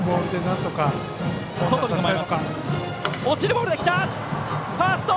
落ちるボールで来た！